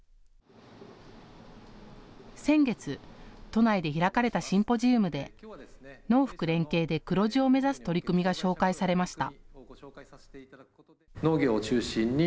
先月、都内で開かれたシンポジウムで農福連携で黒字を目指す取り組みが紹介されました。